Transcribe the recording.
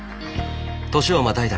年をまたいだ